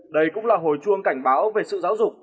đây cũng là hồi chuông cảnh báo về sự giáo dục